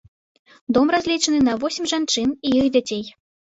Дом разлічаны на восем жанчын і іх дзяцей.